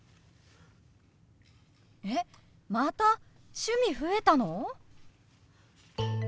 えっまた趣味増えたの！？